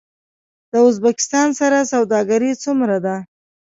د ازبکستان سره سوداګري څومره ده؟